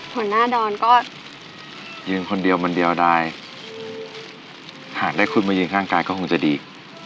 หัวหน้าดอนก็ยืนคนเดียวคนเดียวได้หากได้คุณมายืนข้างกายก็คงจะดี